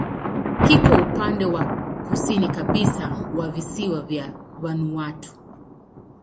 Kiko upande wa kusini kabisa wa visiwa vya Vanuatu.